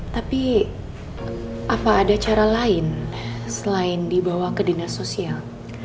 tapi apa ada cara lain selain dibawa ke dinas sosial